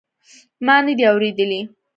ما ندي اورېدلي.